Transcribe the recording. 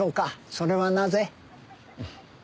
それはなぜ？